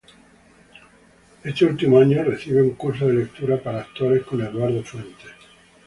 Este último año, recibe un curso de Lectura para actores con Eduardo Fuentes.